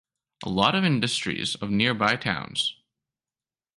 A lot of industries of nearby towns.